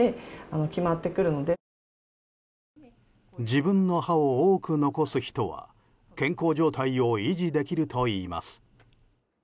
自分の歯を多く残す人は健康状態を維持できるといいます。